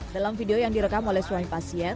dalam video yang direkam oleh suami pasien